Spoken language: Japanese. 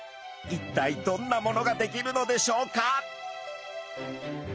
一体どんなものが出来るのでしょうか？